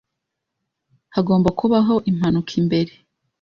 Hagomba kubaho impanuka imbere